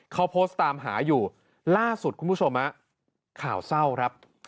เขาโพสต์ตามหาอยู่ล่าสุดคุณผู้ชมฮะข่าวเศร้าครับ